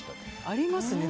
ありますね。